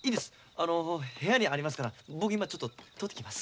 あの部屋にありますから僕今ちょっと取ってきます。